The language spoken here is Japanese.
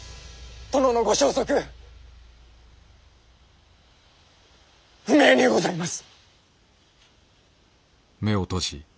殿のご消息不明にございます。